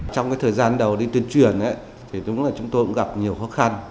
trong thời gian đầu đi tuyên truyền chúng tôi cũng gặp nhiều khó khăn